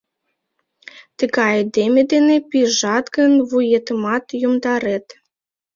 Тыгай айдеме дене пижат гын, вуетымат йомдарет.